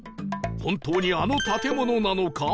本当にあの建物なのか？